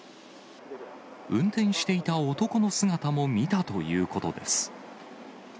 運転していた男の姿も見たということです。